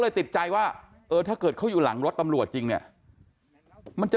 ติดใจว่าเออถ้าเกิดเขาอยู่หลังรถตำรวจจริงเนี่ยมันจะ